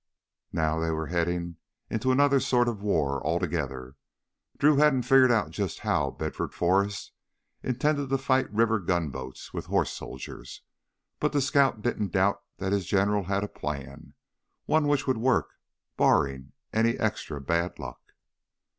Now they were heading into another sort of war altogether. Drew hadn't figured out just how Bedford Forrest intended to fight river gunboats with horse soldiers, but the scout didn't doubt that his general had a plan, one which would work, barring any extra bad luck.